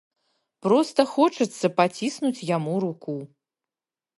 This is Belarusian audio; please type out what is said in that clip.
Проста хочацца паціснуць яму руку.